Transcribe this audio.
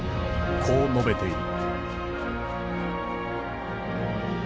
こう述べている。